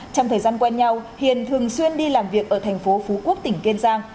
trong thời gian quen nhau hiền thường xuyên đi làm việc ở thành phố phú quốc tỉnh kiên giang